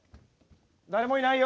誰もいないよ。